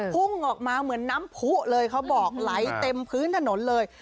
พุ่งออกมาเหมือนน้ำผู้เลยเขาบอกไหลเต็มพื้นถนนเลย